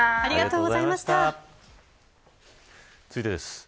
続いてです。